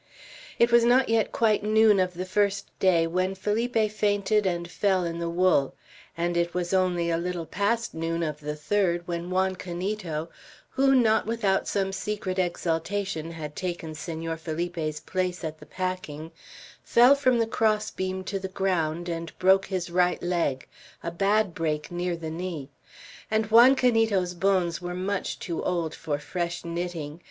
It was not yet quite noon of the first day, when Felipe fainted and fell in the wool; and it was only a little past noon of the third, when Juan Canito, who, not without some secret exultation, had taken Senor Felipe's place at the packing, fell from the cross beam to the ground, and broke his right leg, a bad break near the knee; and Juan Canito's bones were much too old for fresh knitting.